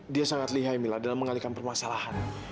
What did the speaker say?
dia sangat lihai mila dalam mengalihkan permasalahan